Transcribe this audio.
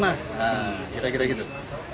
nah kira kira gitu